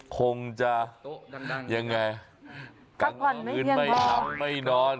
คงจะยังไงกลางคืนไม่หลับไม่นอน